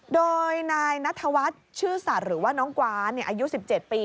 โดยนายนัทวัฒน์ชื่อสัตว์หรือว่าน้องกวานอายุ๑๗ปี